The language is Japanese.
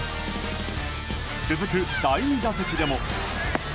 続く第２打席でも。